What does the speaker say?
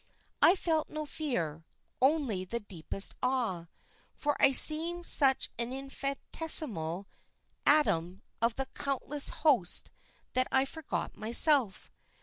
I felt no fear, only the deepest awe, for I seemed such an infinitesimal atom of the countless host that I forgot myself.